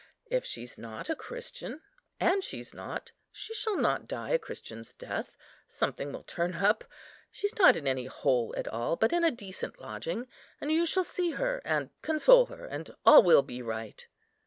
If she's not a Christian (and she's not), she shall not die a Christian's death; something will turn up. She's not in any hole at all, but in a decent lodging. And you shall see her, and console her, and all will be right."